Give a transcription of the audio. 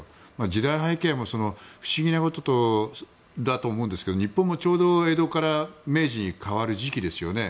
時代背景も不思議なことだと思うんですけど、日本もちょうど江戸から明治に変わる時期ですよね。